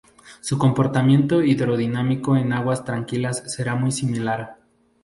Su comportamiento hidrodinámico en aguas tranquilas será muy similar.